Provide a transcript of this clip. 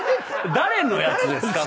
誰のやつですか？